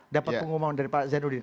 dapat pengumuman dari pak zainuddin